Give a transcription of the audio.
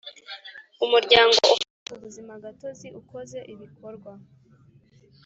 umuryango ufite ubuzimagatozi ukoze ibikorwa